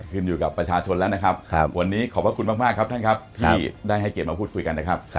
วันนี้ขอบคุณมากครับท่านครับที่ได้ให้เกดมาพูดคุยกันนะครับ